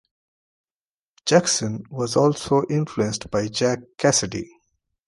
Jackson was also influenced by Jack Casady.